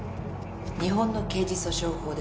「日本の刑事訴訟法では」